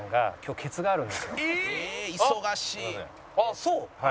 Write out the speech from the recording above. あっそう？